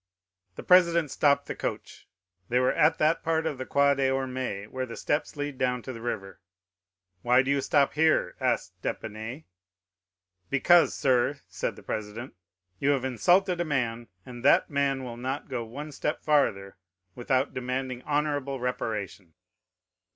The president stopped the coach. They were at that part of the Quai des Ormes where the steps lead down to the river. "Why do you stop here?" asked d'Épinay. "'"Because, sir," said the president, "you have insulted a man, and that man will not go one step farther without demanding honorable reparation."